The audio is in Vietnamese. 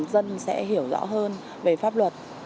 dân sẽ hiểu rõ hơn về pháp luật